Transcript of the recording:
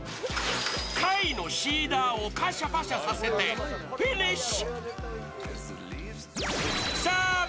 貝のしーだーをパシャパシャさせてフィニッシュ。